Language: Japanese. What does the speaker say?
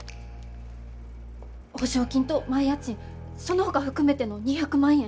保証金と前家賃そのほか含めての２００万円。